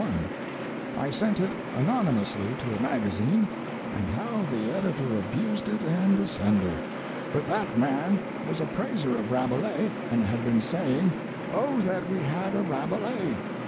I sent it anonymously to a magazine, and how the editor abused it and the sender!" "But that man was a praiser of Rabelais and had been saying, 'O that we had a Rabelais!'